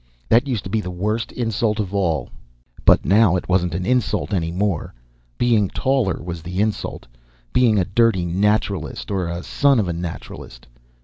That used to be the worst insult of all. But now it wasn't an insult any more. Being taller was the insult. Being a dirty Naturalist or a son of a Naturalist.